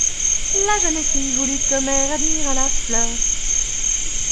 La jeune fille voulut qu'Omer admirât la fleur.